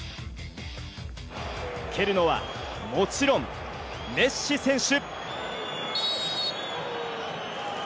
蹴るのはもちろんメッシ選手。